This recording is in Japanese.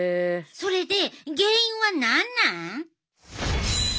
それで原因は何なん？